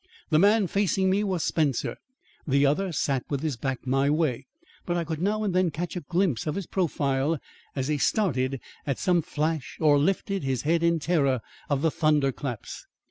The man facing me was Spencer, the other sat with his back my way, but I could now and then catch a glimpse of his profile as he started at some flash or lifted his head in terror of the thunder claps.